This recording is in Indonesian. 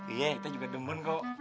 iya kita juga demon kok